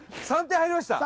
３点入りました？